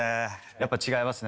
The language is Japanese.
やっぱり違いますね。